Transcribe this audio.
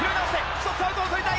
１つアウトを取りたい！